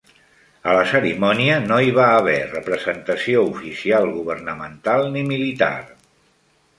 A la cerimònia no hi va haver representació oficial governamental ni militar.